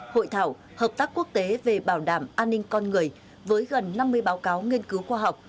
hội thảo hợp tác quốc tế về bảo đảm an ninh con người với gần năm mươi báo cáo nghiên cứu khoa học